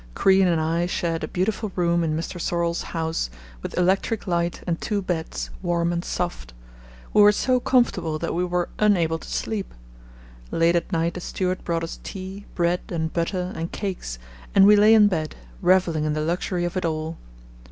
Crean and I shared a beautiful room in Mr. Sorlle's house, with electric light and two beds, warm and soft. We were so comfortable that we were unable to sleep. Late at night a steward brought us tea, bread and butter and cakes, and we lay in bed, revelling in the luxury of it all.